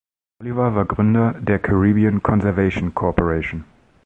Oliver war der Gründer der Caribbean Conservation Corporation.